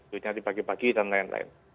duitnya dibagi bagi dan lain lain